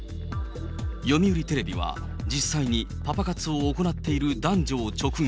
読売テレビは実際にパパ活を行っている男女を直撃。